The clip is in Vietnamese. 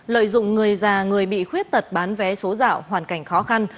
lợi dụng người già người bị khuyết tật bán vé số dạo hoàn cảnh khó khăn